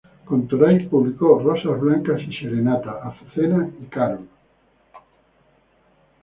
Con Toray, publicó "Rosas Blancas", "Serenata," "Azucena" y "Carol".